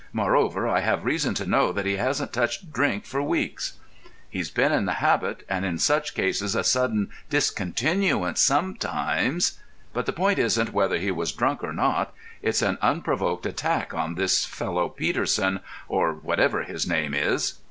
Moreover, I have reason to know that he hasn't touched drink for weeks." "He's been in the habit, and in such cases a sudden discontinuance sometimes.... But the point isn't whether he was drunk or not; it's an unprovoked attack on this fellow Peterson, or whatever his name is."